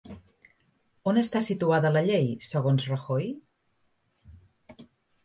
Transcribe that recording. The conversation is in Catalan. On està situada la llei segons Rajoy?